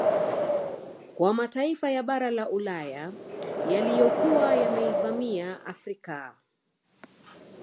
Kwa mataifa ya bara la Ulaya yaliyokuwa yameivamia Afrika